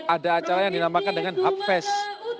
ada acara yang dinamakan dengan hubfest